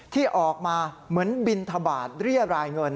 ที่ออกมาเหมือนบินทบาทเรียรายเงิน